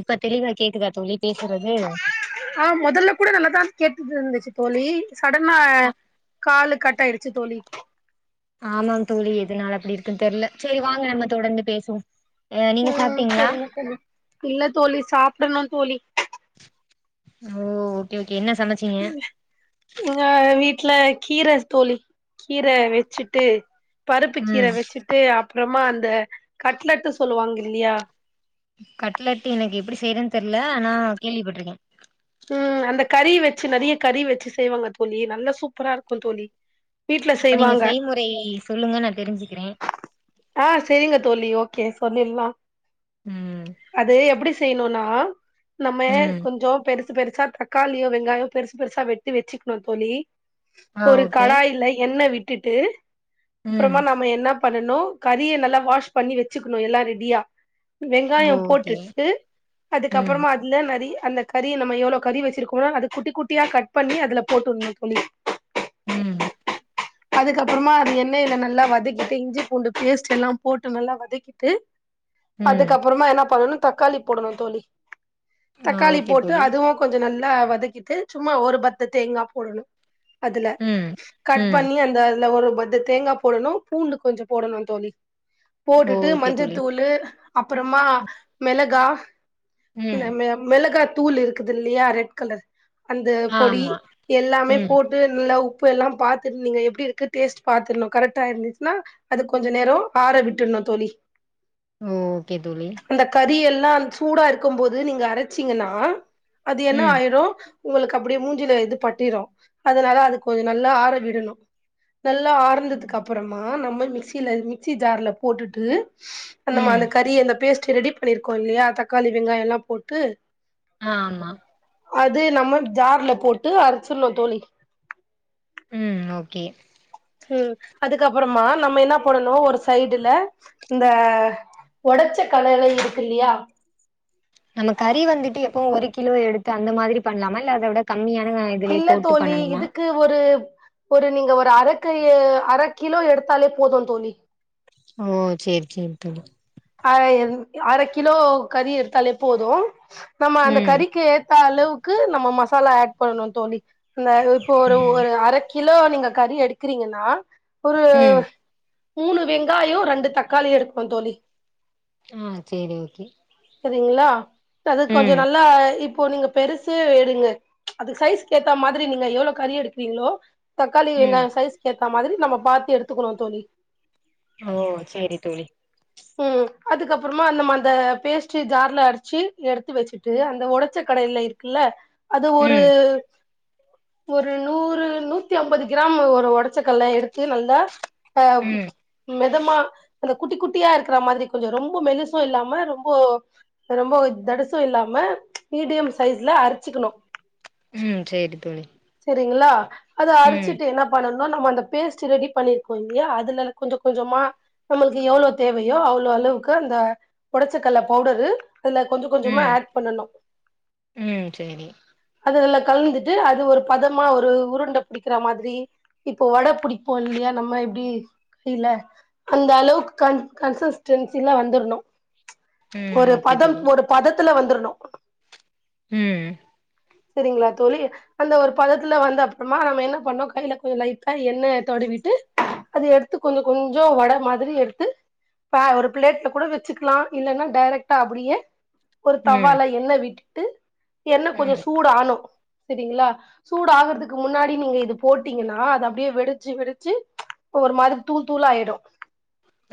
இப்ப தெளிவா கேக்குதா தோழி பேசுறது ஆ மொதல்ல கூட நல்லா தா கேட்டுட்டுருந்துச்சு தோழி சடனா காலு கட் ஆயிடுச்சு தோழி ஆமாம் தோழி எதுனால அப்டி இருக்குன் தெர்ல சேரி வாங்க நம்ம தொடர்ந்து பேசுவோ அ நீங்க ம் சாப்ட்டீங்களா செரிங்க தோழி இல்ல தோழி சாப் டனு தோழி ஓ ஓகே ஓ எங்க வீ ட்ல கீர தோழி கீர வெச்சிட்டு பருப்பு கீர ம் வெச்சிட்டு அ ப்றமா அந்த கட்லட்டு சொல்லுவாங்கில்லியா கட்லட்டு எனக்கு எப்டி செய்றன் தெர்ல ஆனா கேள்விப்பட்ருக்கே ம் அந்த கறி வெச்சு நெறிய கறி வெச்சு செய்வாங்க தோழி நல்ல சூப்பரா இருக்கு தோழி வீட்ல அப்ப நீங்க செய்வாங்க செய்முறை சொல்லுங்க நா தெரிஞ்சிக்கிறே ஆ செரிங்க தோழி ஓகே சொல்லிர்லா ம் அது எப்டி செய்யனுனா நம்மே ம் கொஞ்சோ பெரு சு பெருசா தக்காளியோ வெங்காயோ பெருசு பெருசா வெட்டி வெச்சுக்னு தோழி ஆ ஒரு ஓகே கடாய்ல எண்ண விட் டுட்டு ம் அப்றமா நாம என்ன பண்ணனு கறிய நல்லா வாஷ் பண்ணி வெச்சுக்கனு எல்லா ரெடியா ஓ வெங்காயோ ஓகே போட்டுட்டு ம் அதுக்கப்றமா அதுல நெறய அந்த க றி நம்ம எவ்ளோ கறி வெச்சிருக்கமோ அது குட்டி குட்டியா கட் பண்ணி அதுல போட்டுர்னு தோழி ம் அதுக்கப்பறமா அது எண்ணெய்ல நல்லா வதக்கிட்டு இஞ்சி பூண்டு பேஸ்ட் எல்லா போட்டு நல்லா வதக்கிட்டு ம் அதுக்கப்புறமா என்னா பண்ணணு தக்காளி போடனு தோழி ஆ தக்காளி ஓகே போட்டு தோழி அதுவு கொஞ்ச நல்லா வத வதக்கிட்டு சும்மா ஒரு பத்த தேங்கா போடனு அதுல ம் கட் ம் பண்ணி அந்த அதுல ஒரு பத்து தேங்காய் போடணு பூண்டு கொஞ்சோ போடணும் தோழி போட்டுட்டு ஓகே தோழி மஞ்சத்தூளு அப்பறமா மெளகா ல ம் மெ மெளகா தூள் இருக்குதுல்லியா ரெட் கலர் அந்த பொடி ஆமா எல்லாமே ம் போட்டு நல்லா உப் பெல்லா பாத் தர்னு எப்டி இருக்கு டேஸ்ட் பாத்துர்னு கரெக்டா இருந்துச்சுனா அத கொஞ்ச நேரோ ஆற விட்டுர்னு தோழி ஓ ஓகே தோழி லா சூடா இருக்கும்போது நீங்க அரச்சிங்கன்னா அது என்ன ம் ஆயிடு உங்களுக்கு அப்டியே மூஞ்சிலே இது பட்டிரு அதனால அது கொஞ்ச நல்லா ஆற விடணு நல்லா ஆர்ந்ததுக்கு அப்றமா நம் மிக்சில மிக்சி ஜார்ல போட்டுட்டு அந்த ம் மா அந்த கறி அந்த பேஸ் ட் ரெடி பண்ணிருக்கோ இல்லயா தக்காளி வெங்காயலா போட்டு ஆமா அது நம்ம ஜார்ல போட்டு அரைச்சிர்ணு தோழி ம் ஓகே சேரி அதுக்கபறமா நம்ம என்னா பண்ணனு ஒரு சைடுல இந்த ஒடச்ச கல்ல எல்லா இருக்கில்லயா நம்ம கறி வந்துட்டு எப்பவு ஒரு கிலோ எடுத்து அந்த மாதிரி பண்ணலாமா இல்ல அத விட க இல்ல தோழி இதுக்கு ஒரு ஒரு நீங்க இந்த அரக்கயீ அர கிலோ எடுத்தாலே போது தோழி ஓ சேரி சேரிங் தோழி அ அர கிலோ கறி எடுத்தாலே போது நம்ம அந்த ம் கறிக்கு ஏத் த்த அளவுக்கு நம்ம மசாலா ஏட் பண்ணணு தோழி அந்த இப்போ ஒரு ம் ஒரு அரக்கி கிலோ நீங்க கறி எடுக்கறீங்கன்னா ஒரு ம் மூணு வெங்காயோ ரெண்டு தக்காளி எடு தோழி ஆ சரி ஓகே சரிங்களா அது ம் கொஞ்சம் நல்லா ப் இப்போ நீங்க பெருசு எடுங்க அது சைஸ்கேத்த ஏத்த மாதிரி நீங்க எவ்ளோ கறி எடுக்கிறீங்ளோ தக்காளி ம் வெங்காயம் சைஸ் கே க்க மாதிரி நம்ம பாத்து எடுத்துக்கணு தோழி ஓ சரி தோழி ம்ம் அதுக்கப்பறமா நம்ம அந்த பேஸ்ட் ஜார்ல அடிச்சு எடுத்து வச்சுட்டு அந்த ஒடச்ச கடயில இருக்குல்ல அது ஒரு ம் ஒரு நூறு நூத்தி ஐம்பது கிராமு ஒரு ஒடச்சக்கல்ல எடுத்து நல்லா அ ம் மெதமா ல்ல குட்டி குட் குட்டியா இருக்கிற மாதிரி கொஞ்சம் ரொம்ப மெலிசும் இல்லாம ரொம்போ ரொம்போ தடுசும் இல்லாம மீடியம் அரிச்சுிக்கணும் ம் சேரி தோழி ரிங்களா அத ம் அரிச்சிட்டு என்ன பண்ணணு நம்ம அந்த பேஸ்ட் ரெடி பண்ணிருக்கோம் இல்லையா அதுல கொஞ்சம் கொஞ்சமா நம்மளுக்கு எவ்ளோ தேவையோ அவ்ளோ அளவுக்கு அந்த ஒடச்சக்கல்ல பவுடரு அதுல கொஞ்சம் கொஞ்சமா ம் ஆட் பண்ணணும் ம் சேரி அது நல்ல கலந்துட்டு அது ஒரு பதமா ஒரு உருண்ட புடிக்கற மாதிரி இப்போ வட புடிப்போ இல்லையா நம்ம எப்டி கையில அந்த அளவுக்கு கன் கன்சிஸ்டன்சில்ல வந்துரணும் ம் ஒரு ஓகே பதம் தோழி ஒரு பதத் த்துல வந்துரணும் ம்ம் சரிங்களா தோழி அந்த ஒரு பதத்துல வந்து அப்பறமா நம்ம என்ன பண்ணோம் கையில கொஞ்ச லைபட்டா எண்ண தொடவிட்டு அது எடுத்து கொஞ்சம் கொஞ்சம் வட மாதிரி எடுத்து ப ஒரு பிளேட்ல கூட வச்சுக்கலாம் இல்லன்னா டிரெக்ட்டா அப்டியே ஒரு ம் தவ்வால என்ன வீட் ட்டு என்ன கொஞ்ச ம் சூடானும் சரிங்களா சூடு ஆகுறதுக்கு முன்னாடி நீங்க இது போட்டீங்கன்னா அது அப்டியே வெடிச்சு வெடிச்சு ஒரு மாரி தூள் தூளாயிடு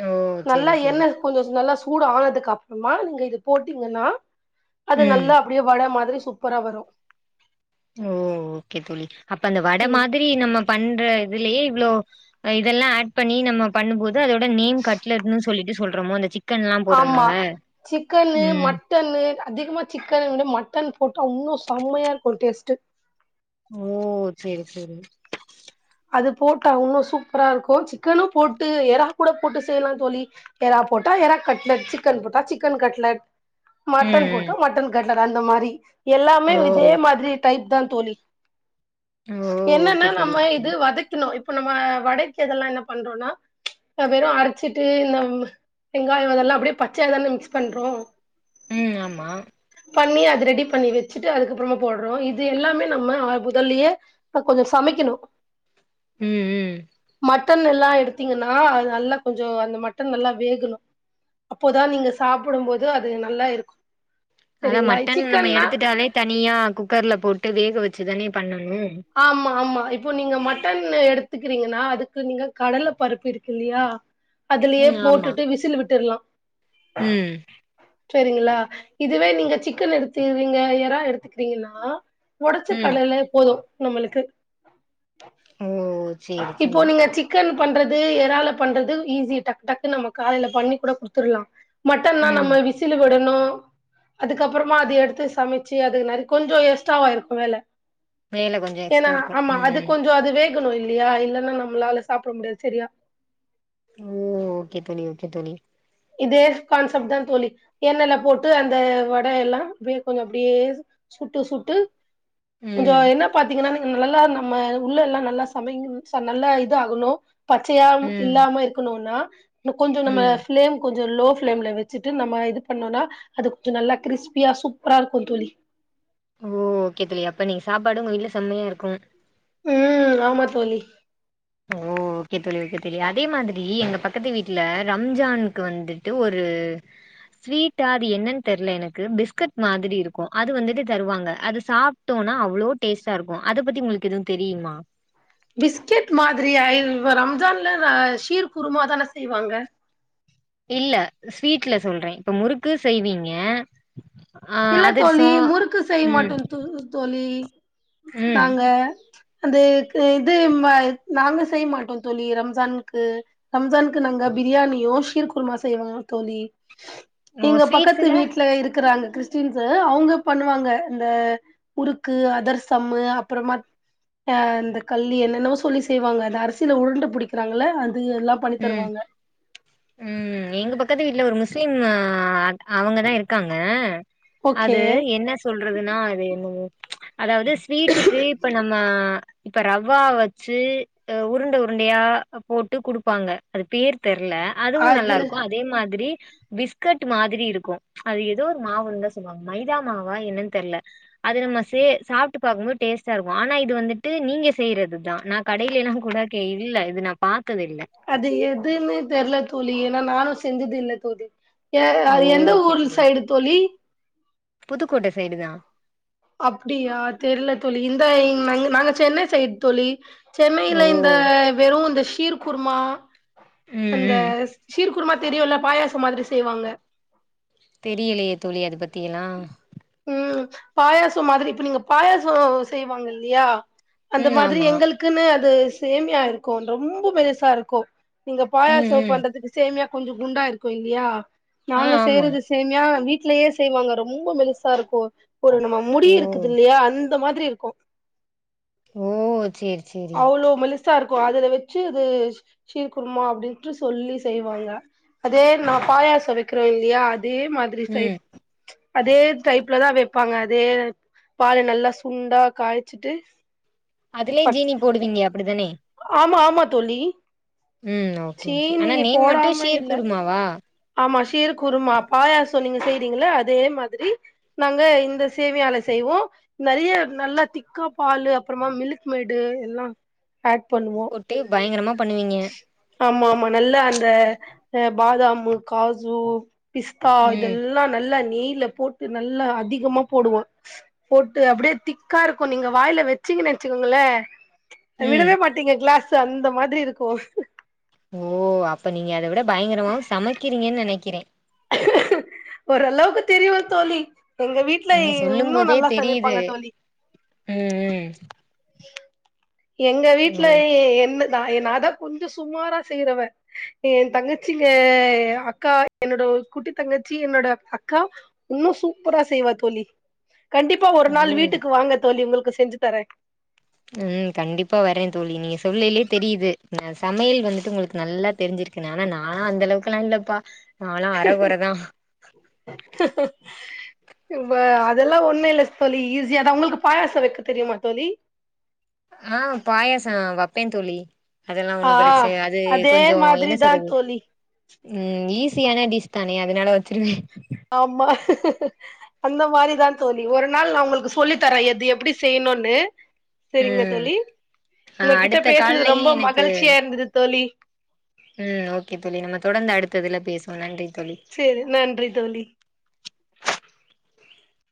ஓ நல்லா சேரி என்ன தோழி கொஞ்சம் நல்லா சூடு ஆனதுக்கப்புறமா நீங்க இது போட்டீங்கன்னா அது ம் நல்லா அப்டியே வட மாதிரி சூப்பரா வரும் ஓ ஓகே தோழி அப்ப அந்த வட ம் மாதிரி நம்ப பண்ற இதுலயே இவ்ளோ இதெல்லா ஆட் பண்ணி நம்ம பண்ணும்போது து அதோட நேம் கட்லட்னு சொ சொல்லிட்டு சொல்றமோ அந்த சிக் ஆமா சிக்கனு ம் மட்டனு அதிகமா சிக்கன விட மட்டன் போட்டா இன்னு செம்மையா இருக்கூ டேஸ்ட்டு ஓ செரி செரி அது போட்டா உன்னோ சூப்பரா இருக்கூ சிக்கனு போட்டு எறா கூட போட்டு செய்யலா தோழி எறா போட்டா எறா கட்லட் சிக்கன் போட்டா சிக்கன் கட்லட் ம் மட்டன் ம் போட்டா மட்டன் கட் ந்தர அந்த மாரி எல்லாமே ஓ இதே மாதிரி டைப் தான் தோழி ஓ ஓகே என்னன்னா தோழி நம்ம ஓகே இப் தோழி [unintelligible] இப்ப நம்ம வடைக்குதெல்லா என்ன பண்றோனா வெறு அரச்சிட்டு இந்த வெங்காயோ அதெல்லா அப்டியே பச்சையதான மிக்ஸ் பண்றோ ம் ஆமா பண்ணி அது ரெடி பண்ணி வெச்சிட்டு அதுக்கப்புறமா போட்றோ இது எல்லாமே நம்ம புதல்லயே கொஞ்ச சமைக்கணு ம் ம் மட்டன் எல்லா எடுத்தீங்கன்னா அது நல்லா கொஞ்சோ அந்த மட்டன் நல்லா வேகணு அப்போதான் நீங்க சாப்பிடும்போது அது நல்லா இருக்கும் அதா மட்டன் நம்ம எடுத்துட்டாலே தனியா குக்கர்ல போட்டு வேக வச்சுதானே பண்ணு ஆமா ஆமா இப்போ நீங்க மட் மட்டன் எடுத்துக்கிறீங்கன்னா அதுக்கு நீங்க கடல பருப்பு இருக்கு இல்லியா அதுலயே ம் ஆமா போட்டுட்டு விசில் விட்டுருலா ம் சரிங்களா இதுவே நீங்க சிக்கன் எடுத்துவீங்க எறா எடுத்துக்கிறீங்கன்னா ஒடச்ச ம் கடலயே போதும் நம்மளுக்கு ஓ சேரி இப்போ சேரி நீங்க சிக்கன் பண்றது ஏறால பண்றது ஈஸி டக் டக்குனு நம்ம காலையில பண்ணி கூட குடுத்துற்லா மட்டன்னா ம் நம்ம விசிலு விடணு அதுக்கப்பறமா அது எடுத்து சமைச்சு அது நறு கொஞ்சோ எஸ்டாவாருக்கூ வேல வேல கொஞ்சோ ஏன்னா எக்ஸ்ட்ரா இருக்கு ஆமா ம் அது ம் கொஞ்சோ அதுவே க்கனு இல்லியா இல்லன்னா நம்மளால சாப்ட முடியாது சரியா ஓ ஓகே தோழி ஓகே தோழி இதே கான்செப்ட் தா தோழி எண்ணெய்ல போட்டு அந்த வட எல்லா ப்டே கொஞ்ச அப்டியே சுட்டு சுட்டு கொஞ்சோ ம் என்ன பாத்தீங்கன்னா நல்லா நம்ம உள்ள எல்லா நல்லா சமைஞ் ச நல்லா இது ஆகுனோ பச்சையா ம் இல்லாம இருக்கனோனா இன்னு கொஞ்சோ நம்ம ம் ம் கொஞ்சோ லோ ஃபிலேம்ல வெச்சுட்டு நம்ம இது பண்ணோனா அது கொஞ்சோ நல்லா கிரிஸ்பியா சூப்பரா இருக்கூ தோழி ஓ ஓகே தோழி அப்ப நீங்க சாப்பாடு உங்க வீட்ல செம்மையா இருக்கும் உம் ஆமா தோழி ஓ ஓகே தோழி ஓகே தோழி அதே மாதிரி எங்க பக்கத்து வீட்ல ரம்ஜானுக்கு வந்துட்டு ஒரு ஸ்வீட்டா அது என்னன் தெரில எனக்கு பிஸ்கட் மாதிரி இருக்கூ அது வந்துட்டு தருவாங்க அது சாப்ட்டோனா அவ்ளோ டேஸ்ட்டா இருக்கூ அது பத்தி உங்களுக்கு எதுவும் தெரியுமா பிஸ்கெட் மாதிரி ஐம் இப்ப ரம்ஜான்ல ஆ ஷீர் குருமா தான செய்வாங்க இல்ல ஸ்வீட்ல சொல்றே இப்ப முறுக்கு செய்வீங்க ஆ இல்ல தோழி அதிர்சோ முறுக்கு செய்ய ம் மாட்டோ தூ தோழி ம் நாங்க அந்த இக்கு இது ம நாங்க செய்ய மாட்டோ தோழி ரம்ஜானுக்கு ரம்ஜானுக்கு நாங்க பிரியாணியு ஷீர் குருமா செய்வோ தோழி ஓ இங்க பக்கத்து ஸ்வீட்ஸ்ல வீட்ல இருக்குறாங்க சின்சு அவங்க பண்ணுவாங்க இந்த முறுக்கு அதரசம்மு அப்றோமா இந்த கல்லி என்னென்னவோ சொல்லி செய்வாங்க அந்த அரிசியில உருண்டை பிடிக்கிறாங்க இல்ல இது எல்லா பண்ணி ம் தருவாங்க ம் எங்க பக்கத்து வீட்ல ஒரு முஸ்லிம் ஆ அத் அவங்க தா இருக்காங்க ஓகே அது என்ன சொல்றதுன்னா அது என்னமோ அதாவது ஸ்வீட்டுக்கு இப்ப நம்ம இப்ப ரவ்வா வெச்சு அ உருண்ட உருண்டையா அ போட்டு குடுக் ப்பாங்க அது பேர் தெர்ல அதுவு நல்லா அது இருக்கூ அதே மாதிரி பிஸ்கட் மாதிரி இருக்கு அது ஏதோ ஒரு மாவுன்னு தா சொல்லுவாங்க மைதா மாவா என்னன்னு தெரியல அது நம்ம சே சாப்பிட்டு பாக்குபோது டேஸ்ட்டா இருக்கு ஆனா இது வந்துட்டு நீங்க செய்யறது தா நா கடையிலலா கூட கே இல்ல இது நா பாத்தது இல்ல அது எதுன்னு தெரியல தோழி ஏனா நானு செஞ்சதில்லை தோழி ஏ ஓ அது எந்த ஓகே ஊரு தோழி சைடு தோழி புதுக்கோட்டை சைடு தா அப்படியா தெரியல தோழி இந்த [unintelligible] நாங்க சென்னை செயிடு தோழி சென்னையில ஓ இந்த வெறு இந்த ஸ் கீர் குருமா ம் அந்த ம் சீர் குருமா தெரியுல்ல பாயாசோ மாதிரி செய்வாங்க தெரியலையே தோழி அது பத் தீனா ம் பாயாசோ மாதிரி இப்ப நீங்க பாயாசோ செய்வாங்க இல்லையா அந்த ம் மாதிரி ஆமா எங்களுக்குன்னு து சேமியா இருக்கூ ரொம்போ மெலிசா இருக்கூ நீங்க ம் பாயாசோ ம் பண்றதுக்கு சேமியா கொஞ்சோ குண்டா இருக்கூ இல்லையா ஆ நாங்க ஆமா செய்றது சேமியா வீட் ட்லயே செய்வாங்க ரொம்போ மெலிஸ் தருக்கோ ஒரு நம்ம முடி ஓ இருக்குதில்லியா அ ந்த மாதிரி இருக்கோ ஓ சேரி சேரி சா இருக்கோ அதுல வெச்சு இது சி சீர்குருமா அப்டின்ட்டு சொல்லி செய்வாங்க அதே நா பாயாசம் வெக்கிறோ இல்லியா அதே மாதிரி ம் சைட் அதே வெப்பாங்க அதே பால நல்லா சுண்டா காய்ச்சுட்டு அதுலே ஜீனி போடுவீங்க அ ப்டிதானே மா தோழி ம் ஓகே ஓகே ஆனா சீனி நேம் மட்டு போடாம ஷீர் இல்ல குருமாவா ஆமா ஷீரு குருமா பாயாசோ நீங்க செய்றீங்கள அதே மாதிரி நாங்க இந்த சேமியால செய்வோ நெறைய நல்லா திக்கா பால்லு அப்புறமா மிலுக் மெடு எல்லா ஆட் பண்ணுவோ போட்டு பயங்கரமா பண்ணுவீங்க ஆமா ஆமா நல்லா அந்த அ பாதாமு காஜு பிஸ்தா ம் இதெல்லா நல்லா நெய் யில போட்டு நல்லா அதிகமா போடுவோ போட்டு அப்டியே திக் காருக்கு நீங்க வாயில வெச்சீங்கன் வெச்சுக்கோங்களே ம் விடவே மாட்டீங்க க்ளாஸ் து அந்த மாதிரி இருக் கோ ஓ அப்ப நீங்க அத விட பயங்கரமாவு சமைக்கிறீங்கன் நெனைக்கிறே ஒரளவுக்கு தெரியு தோழி எங்க வீட்ல நீங்க சொல்லும் இன்னு போதே நல்லா தெரியுது சமைப்பாங்க தோழி ம் ம் எங்க வீட்ல ஓ ஏ என்ன நா‌ எ நாதா கொஞ்சோ சுமாரா செய்றவ என் தங்கச்சிங்க எ அக்கா என்னோட குட்டி தங்கச்சி என்னோட அக்கா உன்னு சூப்பரா செய்வா தோழி கண்டிப்பா ஒரு ஓ நாள் வீட்டுக்கு வாங்க தோழி உங்குளுக் க்கு செஞ்சு தரே ம் கண்டிப்பா வரே தோழி நீங்க சொல்லேலே தெரியுது நா சமையல் வந்துட்டு ஒங்ளுக்கு நல்லா தெரிஞ்சிருக்குனு ஆனா நாலா அந்த அளவுக்கெல்லா இல்லப்பா நாலா அரகொறதா அதெல்லா ஒன்னு இல்ல தோழி ஈஸியாதா ஒங்ளுக்கு பாயாசோ வெக்க தெரிமா தோழி ஆஹ் பாயாசோ வப்பே தோழி அதெல்லா ஆ ஒன்னு பிரச்சன அது அதே கொஞ்சோ என்ன மாதிரிதா சொல்றது தோழி ம் ஈஸியான டிஸ் தானே அதனால வச்சுருந்தே ஆமா அந்த மாரி தா தோழி ஒரு நாள் நா ஒங்ளுக்கு சொல்லி தரே எது எப்டி செய்னுனு செரிங்க ம் தோழி ஆ உங்ககிட்ட அடுத்த பேசுனது கால்லயே ரொம்ப எனக்கு மகிழ்ச்சியா இருந்தது தோழி ம் ஓகே தோழி நம்ப தொடந்து அடுத்ததுல பேசுவோ நன்றி தோழி செரி நன்றி தோழி